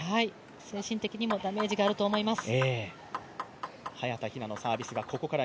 精神的にもダメージがあると思います。